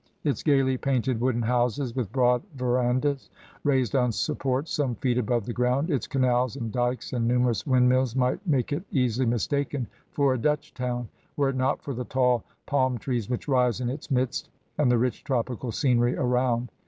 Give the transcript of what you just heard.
Its gaily painted wooden houses, with broad verandahs, raised on supports some feet above the ground, its canals and dykes, and numerous windmills, might make it easily mistaken for a Dutch town, were it not for the tall palm trees which rise in its midst and the rich tropical scenery around.